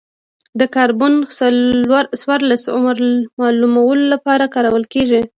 د کاربن څورلس عمر معلومولو لپاره کارول کېږي.